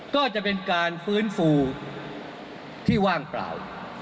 ก็จะเป็นการฟื้นฟูที่ว่างเปล่า